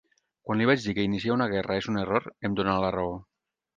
Quan li vaig dir que iniciar una guerra és un error, em donà la raó.